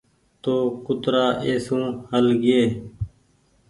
تو ڪترآ اي سون هل گيئي